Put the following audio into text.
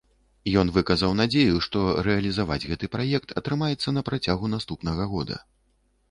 Ён выказаў надзею, што рэалізаваць гэты праект атрымаецца на працягу наступнага года.